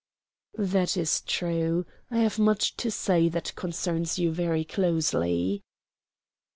"That is true. I have much to say that concerns you very closely."